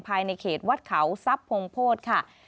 ภายในเขตวัดเขาทรัพย์พงโพธิค่ะ